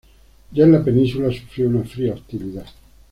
Ya en la península, sufrió una fría hostilidad.